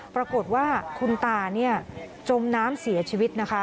ปรากฏว่าคุณตาจมน้ำเสียชีวิตนะคะ